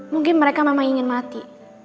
mungkin mereka memang ingin mati